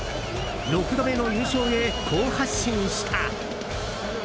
６度目の優勝へ好発進した。